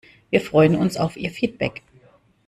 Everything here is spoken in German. Wir freuen uns auf Ihr Feedback!